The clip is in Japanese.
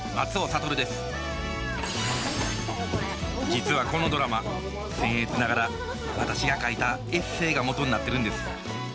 実はこのドラマせん越ながら私が書いたエッセイが元になってるんです。